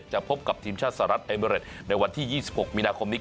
พบกับทีมชาติสหรัฐเอเมริดในวันที่๒๖มีนาคมนี้